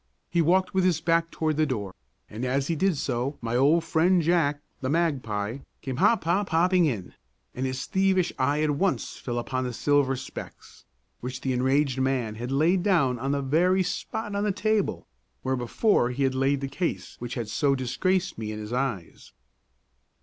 He walked with his back toward the door, and as he did so my old friend Jack, the magpie, came hop hop hopping in, and his thievish eye at once fell upon the silver specs, which the enraged man had laid down on the very spot on the table where before he had laid the case which had so disgraced me in his eyes.